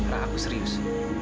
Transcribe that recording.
rah aku serius